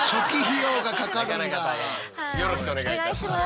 よろしくお願いします。